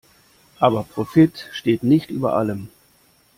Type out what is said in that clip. Aber Profit steht nicht über allem.